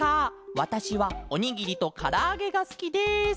わたしはおにぎりとからあげがすきです」。